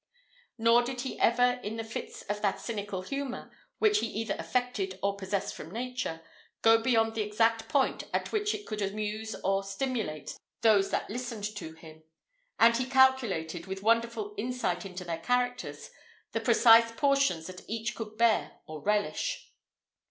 Nor did he ever in the fits of that cynical humour, which he either affected or possessed from nature, go beyond the exact point at which it could amuse or stimulate those that listened to him; and he calculated, with wonderful insight into their characters, the precise portions that each could bear or relish.